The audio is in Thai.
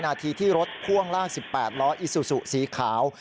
นาทีที่รถพ่วงลาก๑๘ล้ออิซูซูสีขาว